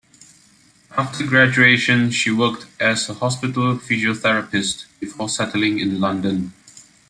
After graduation, she worked as a hospital physiotherapist, before settling in London.